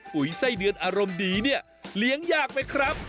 ไส้เดือนอารมณ์ดีเนี่ยเลี้ยงยากไหมครับ